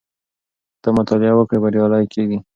که ته مطالعه وکړې بریالی کېږې.